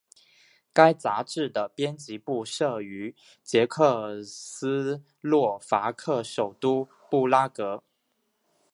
该杂志的编辑部设于捷克斯洛伐克首都布拉格。